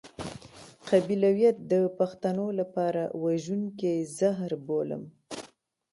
قبيلويت د پښتنو لپاره وژونکی زهر بولم.